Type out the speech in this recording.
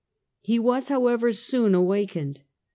He was however soon awakened.